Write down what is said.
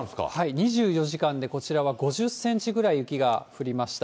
２４時間でこちらは５０センチぐらい雪が降りました。